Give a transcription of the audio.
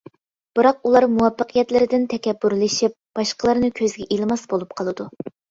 بىراق ئۇلار مۇۋەپپەقىيەتلىرىدىن تەكەببۇرلىشىپ، باشقىلارنى كۆزگە ئىلماس بولۇپ قالىدۇ.